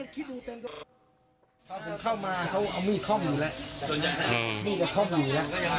พอผมเข้ามาเขาเอามีดค่อมอยู่แล้วมีดจะคล่อมอยู่แล้ว